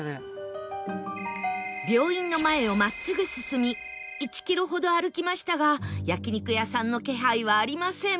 病院の前を真っすぐ進み１キロほど歩きましたが焼肉屋さんの気配はありません